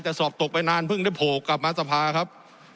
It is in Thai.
แต่สอบตกไปนานเพิ่งได้โผล่กลับมาสภาครับ